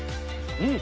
うん！